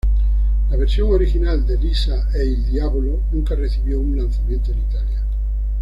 La versión original de "Lisa e il diavolo" nunca recibió un lanzamiento en Italia.